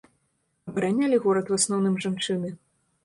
Абаранялі горад у асноўным жанчыны.